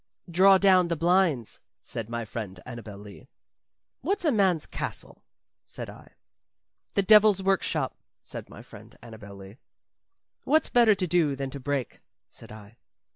"Draw down the blinds," said my friend Annabel Lee. "What's a man's castle?" said I. "The devil's workshop," said my friend Annabel Lee. "What's better to do than to break?" said I.